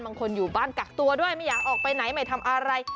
อยู่บ้านกักตัวด้วยไม่อยากออกไปไหนไม่ทำอะไร